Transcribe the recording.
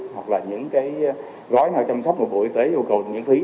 hoặc là những gói nào chăm sóc một bộ y tế yêu cầu miễn phí